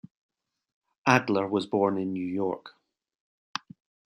Adler was born in New York.